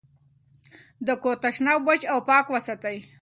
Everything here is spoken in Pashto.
د کور تشناب وچ او پاک وساتئ.